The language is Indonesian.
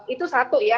itu satu ya